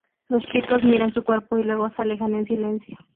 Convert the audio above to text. Los chicos miran su cuerpo, y luego se alejan en silencio.